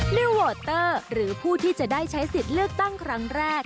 นิวโวเตอร์หรือผู้ที่จะได้ใช้สิทธิ์เลือกตั้งครั้งแรก